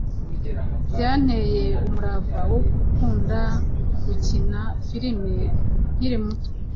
Byanteye umurava wo gukunda gukina filimi nkiri muto